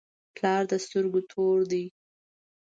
پلار د سترګو تور دی.